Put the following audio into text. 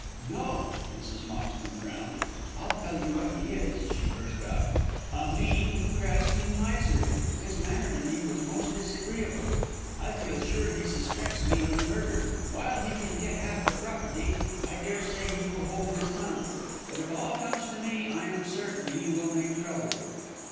"No!" Mrs. Moxton frowned. "I'll tell you what he is," she burst out; "a mean, grasping miser. His manner to me was most disagreeable. I feel sure he suspects me of the murder. While he can get half the property I daresay he will hold his tongue, but if all comes to me I am certain he will make trouble."